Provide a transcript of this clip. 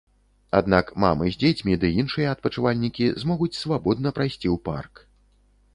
Аднак мамы з дзецьмі ды іншыя адпачывальнікі змогуць свабодна прайсці ў парк.